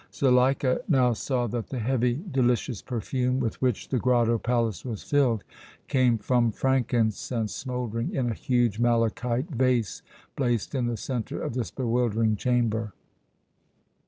Zuleika now saw that the heavy, delicious perfume with which the grotto palace was filled came from frankincense smouldering in a huge malachite vase placed in the centre of this bewildering chamber.